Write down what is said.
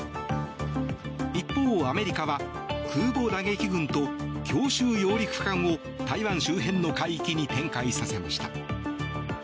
一方、アメリカは空母打撃群と強襲揚陸艦を台湾周辺の海域に展開させました。